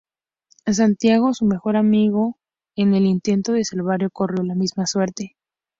Santiago, su mejor amigo, en el intento de salvarlo corrió la misma suerte.